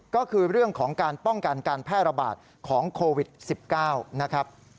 ก็คือเรื่องของการป้องกันการแพร่ระบาดของโควิด๑๙นะครับ